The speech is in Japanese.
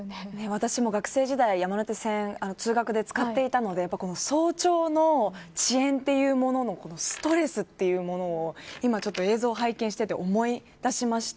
私も学生時代、山手線通学で使っていたのでこの早朝の遅延というもののストレスというものを今、映像を拝見していて思い出しました。